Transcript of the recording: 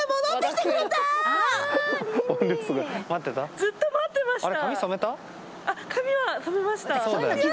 ずっと待ってました。